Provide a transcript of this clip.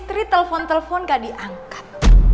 tri telepon telepon gak diangkat